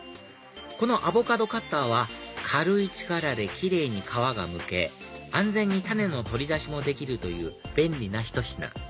このアボカドカッターは軽い力でキレイに皮がむけ安全に種の取り出しもできるという便利なひと品